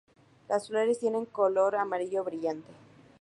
Las flores tienen color amarillo brillante.